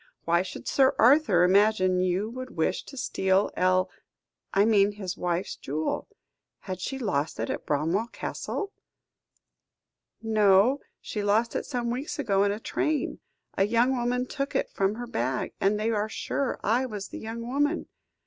Why should Sir Arthur imagine you would wish to steal El I mean his wife's jewel. Had she lost it at Bramwell Castle?" "No; she lost it some weeks ago in a train. A young woman took it from her bag; and they are sure I was the young woman.